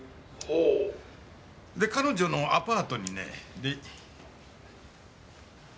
「ほう」で彼女のアパートにね。